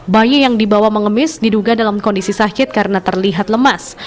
bayi yang dibawa mengemis diduga dalam kondisi sakit karena terlihat lemas